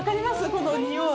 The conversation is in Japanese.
このにおい。